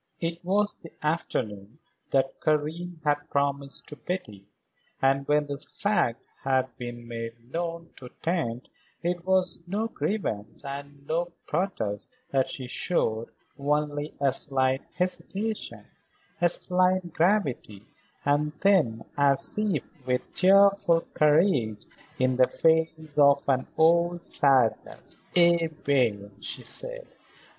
It was the afternoon that Karen had promised to Betty, and when this fact had been made known to Tante it was no grievance and no protest that she showed, only a slight hesitation, a slight gravity, and then, as if with cheerful courage in the face of an old sadness: "Eh bien," she said.